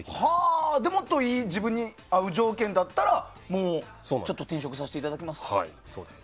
もっと自分に合ういい条件だったらもう転職させていただきますって。